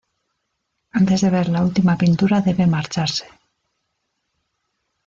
Antes de ver la última pintura debe marcharse.